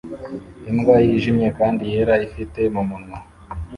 Imbwa yijimye kandi yera ifite mumunwa